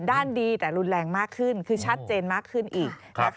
ดีแต่รุนแรงมากขึ้นคือชัดเจนมากขึ้นอีก